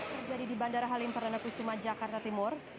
terjadi di bandara halim peranakusuma jakarta timur